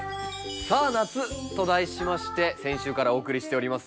「さあ夏！」と題しまして先週からお送りしております